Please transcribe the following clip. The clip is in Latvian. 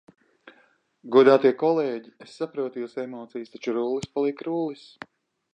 Godātie kolēģi, es saprotu jūsu emocijas, taču Rullis paliek Rullis.